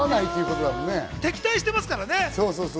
敵対していますからね。